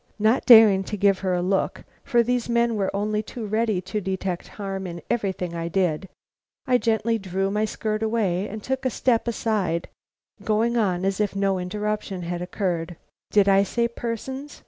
Not daring to give her a look, for these men were only too ready to detect harm in everything I did, I gently drew my skirt away and took a step aside, going on as if no interruption had occurred. "Did I say persons?